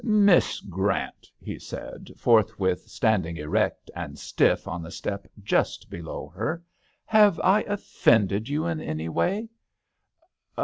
" Miss Grant," he said, forth with standing erect and stiff on the step just below her, " have I offended you in any way